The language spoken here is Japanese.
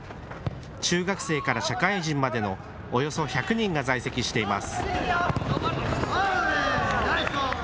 中学生から社会人までのおよそ１００人が在籍しています。